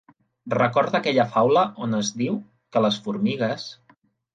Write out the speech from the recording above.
Recorda aquella faula on es diu que les formigues...